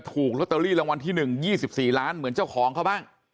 ถูกลอตเตอรี่รางวัลที่๑๒๔ล้านเหมือนเจ้าของเขาบ้าง